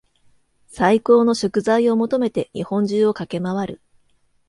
最高の食材を求めて日本中を駆け回る